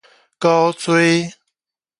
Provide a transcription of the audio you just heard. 古錐